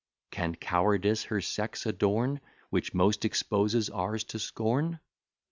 Can cowardice her sex adorn, Which most exposes ours to scorn?